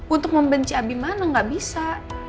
untuk membenci abimana nggak bisa